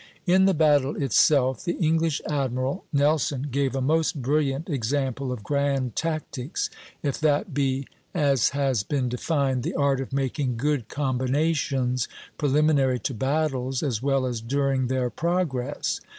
In the battle itself the English admiral, Nelson, gave a most brilliant example of grand tactics, if that be, as has been defined, "the art of making good combinations preliminary to battles as well as during their progress."